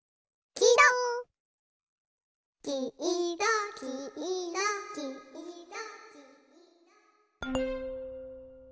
きいろきいろきいろ。